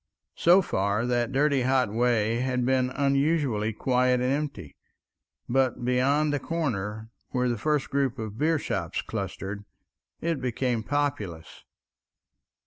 So far that dirty hot way had been unusually quiet and empty, but beyond the corner, where the first group of beershops clustered, it became populous.